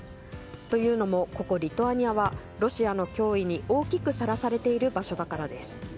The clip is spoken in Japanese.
というのもここリトアニアはロシアの脅威に大きくさらされている場所だからです。